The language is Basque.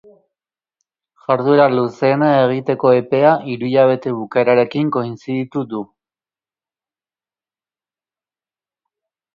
Jarduera luzeena egiteko epea hiruhilabete bukaerarekin konziditu du.